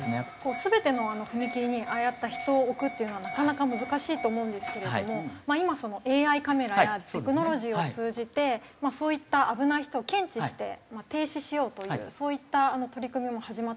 全ての踏切にああやった人を置くっていうのはなかなか難しいと思うんですけれども今ＡＩカメラやテクノロジーを通じてそういった危ない人を検知して停止しようというそういった取り組みも始まって。